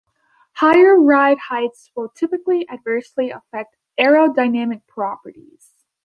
Higher ride heights will typically adversely affect aerodynamic properties.